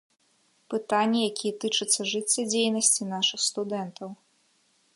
Пытанні, якія тычацца жыццядзейнасці нашых студэнтаў.